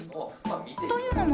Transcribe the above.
というのも。